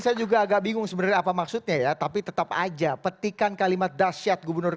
saya juga agak bingung sebenarnya apa maksudnya ya tapi tetap aja petikan kalimat dasyat gubernur